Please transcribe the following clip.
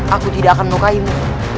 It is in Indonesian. aku tidak akan menukainmu